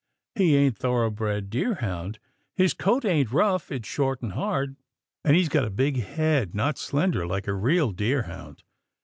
He ain't thoroughbred deerhound. His coat ain't rough, it's short and hard, and he's got a big head, not slender like a real deerhound.